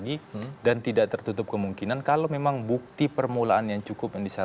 ini bagi gambar yang aktif dari aseguran yang secan